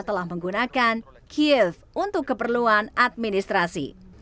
telah menggunakan kiev untuk keperluan administrasi